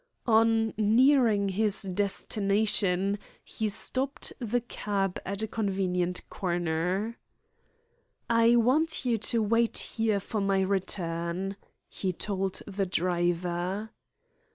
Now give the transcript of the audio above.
On nearing his destination he stopped the cab at a convenient corner. "I want you to wait here for my return," he told the driver.